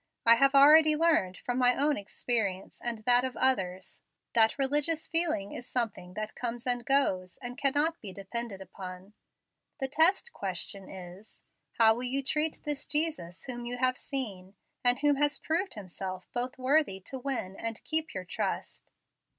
I have already learned, from my own experience and that of others, that religious feeling is something that comes and goes, and cannot be depended upon. The test question is, How will you treat this Jesus whom you have seen, and who has proved Himself both worthy to win and keep your trust?